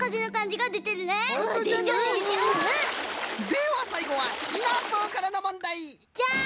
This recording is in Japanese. ではさいごはシナプーからのもんだい！じゃん！